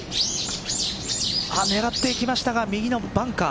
狙っていきましたが右のバンカー。